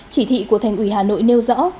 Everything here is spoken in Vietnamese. chỉ thị của thành ủy hà nội nêu rõ